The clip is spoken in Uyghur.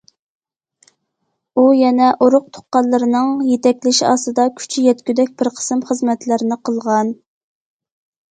ئۇ يەنە ئۇرۇق تۇغقانلىرىنىڭ يېتەكلىشى ئاستىدا كۈچى يەتكۈدەك بىر قىسىم خىزمەتلەرنى قىلغان.